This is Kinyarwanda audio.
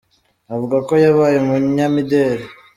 avuga ko yabaye umunyamideli.